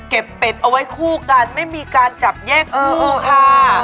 เป็ดเอาไว้คู่กันไม่มีการจับแยกคู่ค่ะ